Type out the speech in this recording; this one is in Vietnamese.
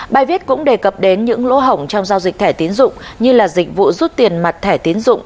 bài viết cũng đề cập đến những lỗ hỏng trong giao dịch thẻ tiến dụng như là dịch vụ rút tiền mặt thẻ tiến dụng